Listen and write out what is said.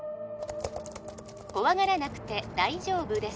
怖がらなくて大丈夫です